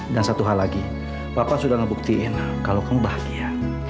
dan satu hal lagi papa sudah ngebuktiin kalau kamu bahagia